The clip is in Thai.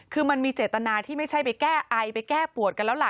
คือมันมีเจตนาที่ไม่ใช่ไปแก้ไอไปแก้ปวดกันแล้วล่ะ